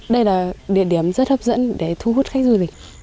đây là địa điểm rất hấp dẫn để thu hút khách du lịch